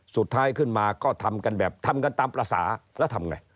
สุดท้ายขึ้นมาก็ทำกันตามปราศาแล้วทำไง